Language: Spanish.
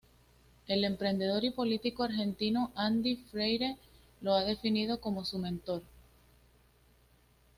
El emprendedor y político argentino Andy Freire lo ha definido como su mentor.